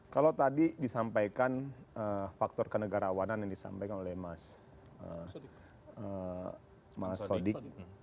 kalau tadi disampaikan faktor kenegarawanan yang disampaikan oleh mas sodik